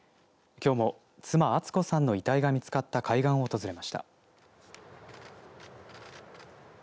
きょうも妻、厚子さんの遺体が見つかった海岸を訪れました。